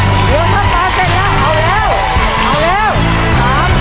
เหลือข้างข้างเสร็จแล้วเอาแล้ว